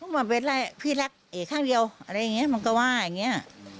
มันเป็นอะไรพี่รักเอกข้างเดียวอะไรอย่างนี้มันก็ว่าอย่างนี้